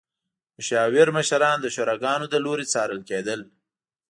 مشاور مشران د شوراګانو له لوري څارل کېدل.